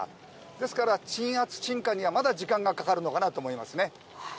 ですから、鎮圧鎮火にはまだ時間がかかるのかなと思いますね。